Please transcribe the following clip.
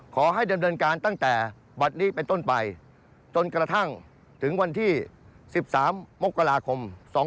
ขอให้ดำเนินการตั้งแต่บัตรนี้เป็นต้นไปจนกระทั่งถึงวันที่๑๓มกราคม๒๕๖๒